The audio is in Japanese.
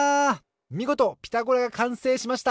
みごと「ピタゴラ」がかんせいしました